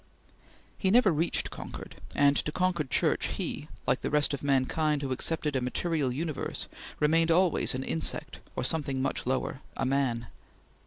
He never reached Concord, and to Concord Church he, like the rest of mankind who accepted a material universe, remained always an insect, or something much lower a man.